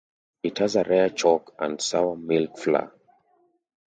It has a rare chalk and sour milk floor.